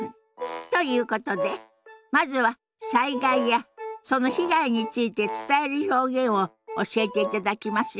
ということでまずは災害やその被害について伝える表現を教えていただきますよ。